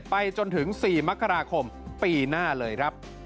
ไปจนถึง๔มกราคมปีหน้าเลยครับ